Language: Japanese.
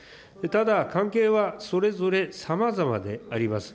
ただ、関係はそれぞれさまざまであります。